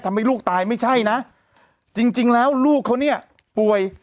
ทำให้ลูกตายไม่ใช่นะจริงจริงแล้วลูกเขาเนี่ยป่วย